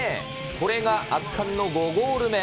これが圧巻の５ゴール目。